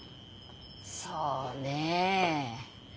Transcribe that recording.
そうねえ。